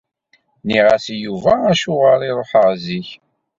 Nniɣ-as i Yuba acuɣer i ṛuḥeɣ zik.